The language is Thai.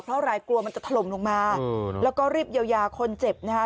เพราะอะไรกลัวมันจะถล่มลงมาแล้วก็รีบเยียวยาคนเจ็บนะคะ